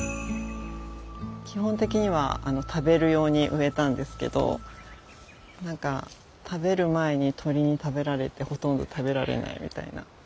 基本的には食べる用に植えたんですけどなんか食べる前に鳥に食べられてほとんど食べられないみたいな。